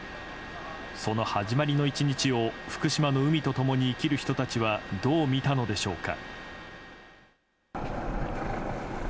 その始まりの１日を福島の海と共に生きる人たちはどう見たのでしょうか。